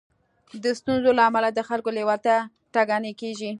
د ستونزو له امله د خلکو لېوالتيا ټکنۍ کېږي.